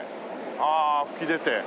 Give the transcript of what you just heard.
ああ吹き出て。